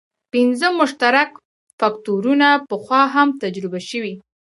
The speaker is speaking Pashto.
پنځه مشترک فکټورونه پخوا هم تجربه شوي.